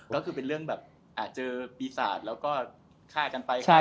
ก็คือเป็นเรื่องแบบอาจเจอปีศาจแล้วก็ฆ่ากันไปฆ่า